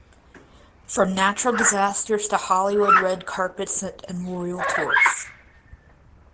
From natural disasters to Hollywood red carpets and royal tours.